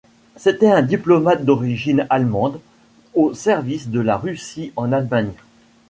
C'était un diplomate d'origine allemande au service de la Russie en Allemagne.